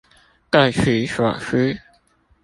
各取所需